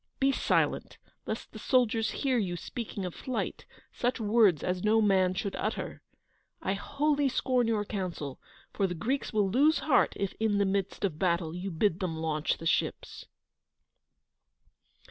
Be silent, lest the soldiers hear you speaking of flight, such words as no man should utter. I wholly scorn your counsel, for the Greeks will lose heart if, in the midst of battle, you bid them launch the ships."